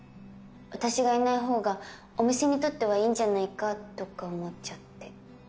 私がいない方がお店にとってはいいんじゃないかとか思っちゃって。